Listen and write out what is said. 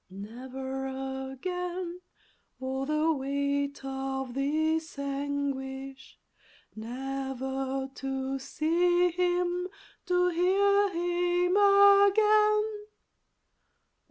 Never again! oh the weight of this anguish! Never to see him, to hear him again!